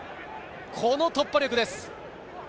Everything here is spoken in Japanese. この突破力です。